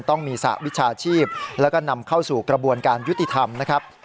ต้องมีสหวิชาชีพแล้วก็นำเข้าสู่กระบวนการยุติธรรมนะครับ